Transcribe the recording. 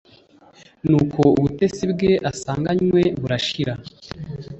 Nuko ubutesi bwe asanganywe burashira.